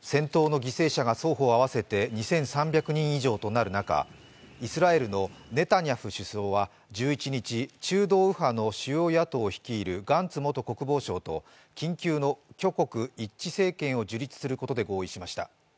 戦闘の犠牲者が双方合わせて２３００人以上となる中、イスラエルのネタニヤフ首相は１１日、中道右派の主要野党を率いるガンツ元国防相と緊急の挙国一致政権を樹立することで合意しました。